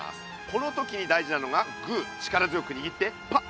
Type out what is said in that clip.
この時に大事なのがグー力強くにぎってパッ！